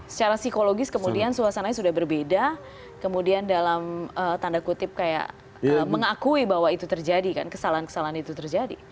secara psikologis kemudian suasananya sudah berbeda kemudian dalam tanda kutip kayak mengakui bahwa itu terjadi kan kesalahan kesalahan itu terjadi